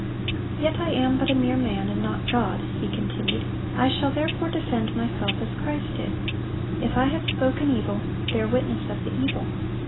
"Yet I am but a mere man, and not God, he continued; "I shall therefore defend myself as Christ did: 'If I have spoken evil, bear witness of the evil.